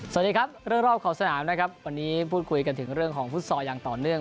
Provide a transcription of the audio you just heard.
สวัสดีครับเรื่องรอบขอบสนามนะครับวันนี้พูดคุยกันถึงเรื่องของฟุตซอลอย่างต่อเนื่อง